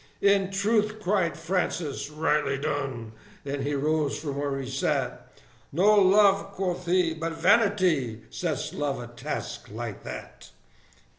"In truth!" cried Francis, "rightly done!" and he rose from where he sat: "No love," quoth he, "but vanity, sets love a task like that!"